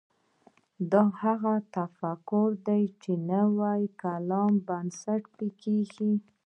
دا هغه متفکران دي چې نوي کلام بنسټ به کېږدي.